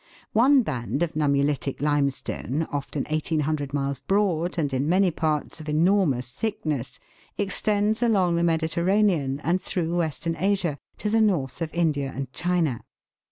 29). One band of nummulitic limestone, often 1,800 miles broad and in many parts of enormous thickness, extends along the Mediterranean and through Western Asia to the North of India and China.